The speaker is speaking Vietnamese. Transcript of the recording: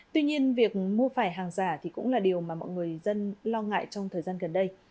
tuy nhiên việc mua phải hàng giả cũng là điều mà mọi người dân lo ngại trong thời gian gần đây